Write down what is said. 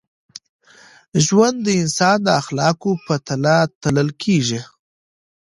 ژوند د انسان د اخلاقو په تله تلل کېږي.